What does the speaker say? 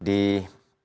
ini disebut batik